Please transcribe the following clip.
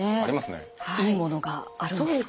いいものがあるんですか？